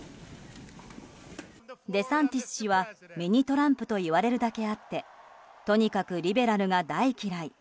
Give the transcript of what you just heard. デサンティス氏はミニトランプといわれるだけあってとにかく、リベラルが大嫌い。